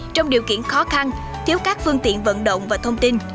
trong điều kiện khó khăn thiếu các phương tiện vận động và thông tin